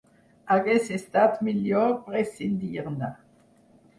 Hagués estat millor prescindir-ne.